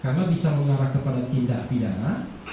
karena bisa mengarah kepada tindak pidana